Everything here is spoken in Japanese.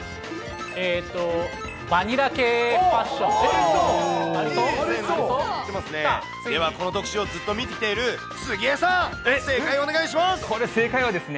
えーと、バニラ系ファッショではこの特集をずっと見てきている杉江さん、正解お願いします。